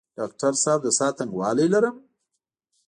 ډاکټر صاحب د ساه تنګوالی لرم؟